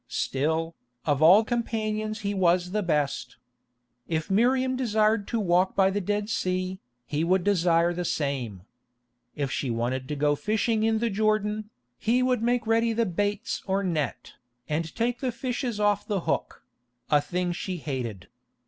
Still, of all companions he was the best. If Miriam desired to walk by the Dead Sea, he would desire the same. If she wanted to go fishing in the Jordan, he would make ready the baits or net, and take the fishes off the hook—a thing she hated.